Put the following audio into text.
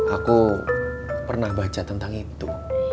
aku pernah baca tentang itu